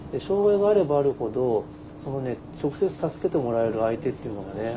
障害があればあるほど直接助けてもらえる相手っていうのがね